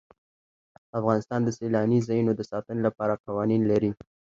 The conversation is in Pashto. افغانستان د سیلاني ځایونو د ساتنې لپاره قوانین لري.